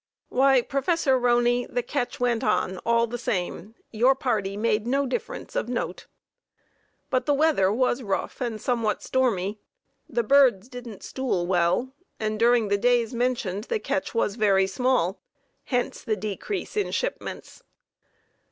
Why, Prof. Roney, the catch went on all the same, your party made no difference of note, but the weather was rough and somewhat stormy; the birds didn't "stool" well, and during the days mentioned the catch was very small, hence the decrease in shipments.